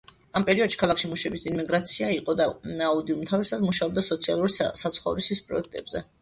ამ პერიოდში ქალაქში მუშების დიდი იმიგრაცია იყო და აუდი უმთავრესად მუშაობდა სოციალური საცხოვრისის პროექტებზე.